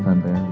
santai ya ibu